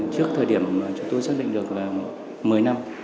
trước thời điểm mà chúng tôi xác định được là một mươi năm